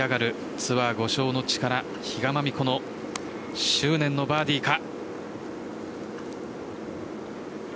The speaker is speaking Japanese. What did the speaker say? ツアー５勝の比嘉真美子の執念のバーディーか。